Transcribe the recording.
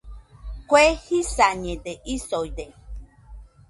Kue jisañede isoide